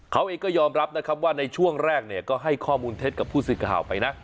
เขาเองก็ยอมรับนะครับว่าในช่วงแรกเนี่ยก็ให้ข้อมูลเท็จกับผู้สื่อข่าวไปนะ